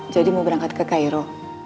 jadi mau berangkat ke cairo